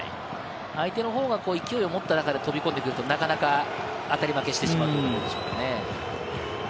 相手の方が勢い思って飛び込んでくると、なかなか当たり負けしてしまうんでしょうね。